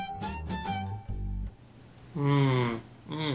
うんうん。